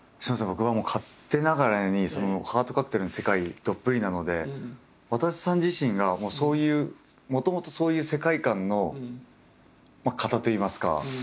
僕は勝手ながらに「ハートカクテル」の世界どっぷりなのでわたせさん自身がもうそういうもともとそういう世界観の方といいますか。